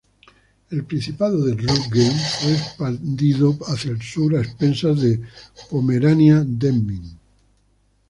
El Principado de Rügen fue expandido hacia el sur a expensas de Pomerania-Demmin.